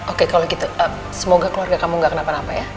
oke kalau gitu semoga keluarga kamu gak kenapa napa ya